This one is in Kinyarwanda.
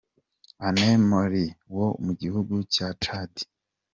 Anais Mali wo mu gihugu cya Chad.